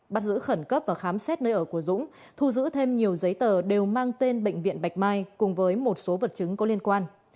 bắt giữ khẩn cấp và khám xét nơi ở của dũng thu giữ thêm nhiều giấy tờ đều mang tên bệnh viện bạch mai cùng với một số vật chứng có liên quan